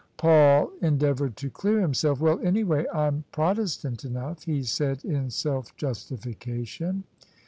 Paul endeavoured to clear himself. " Well, anyway I'm Protestant enough," he said in self justification.